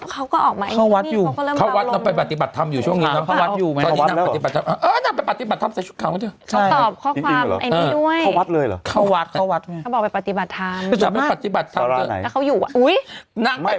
เขาก็ออกมาอันนี้เนี่ยเขาก็เริ่มกลัวลงเขาวัดไปปฏิบัติธรรมอยู่ช่วงนี้เนาะ